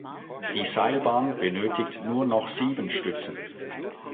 Die Seilbahn benötigt nur noch sieben Stützen.